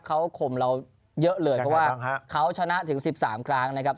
เขาข่มเราเยอะเลยเพราะว่าเขาชนะถึง๑๓ครั้งนะครับ